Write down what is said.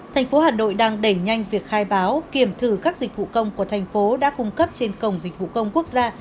thành phố hà nội đang đẩy nhanh việc khai báo kiểm thử các dịch vụ công của thành phố đã cung cấp trên cổng dịch vụ công quốc gia